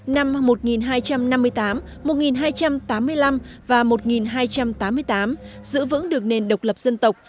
năm một nghìn hai trăm năm mươi tám một nghìn hai trăm tám mươi năm và một nghìn hai trăm tám mươi tám giữ vững được nền độc lập dân tộc